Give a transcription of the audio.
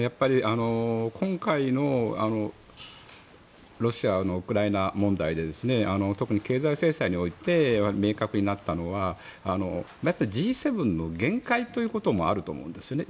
今回のロシアのウクライナ問題で特に経済制裁において明確になったのはＧ７の限界ということもあると思うんですよね。